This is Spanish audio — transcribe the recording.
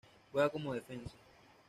Juega como Defensa.